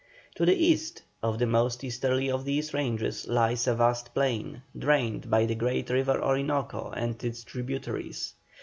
To the east of the most easterly of these ranges lies a vast plain, drained by the great river Orinoco and its tributaries.